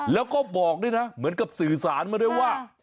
แล้วก็บอกด้วยนะเหมือนกับสื่อสารมาด้วยว่า